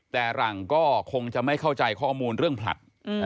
แต่หลังก็คงจะไม่เข้าใจข้อมูลเรื่องผลัด